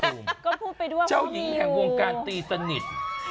ก็พูดไปด้วยเพราะมันอยู่เจ้าหญิงแห่งวงการตีสนิท